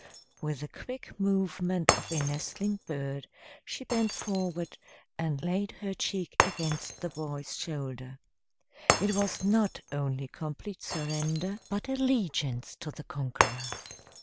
With the quick movement of a nestling bird, she bent forward and laid her cheek against the boy's shoulder. It was not only complete surrender, but allegiance to the conqueror.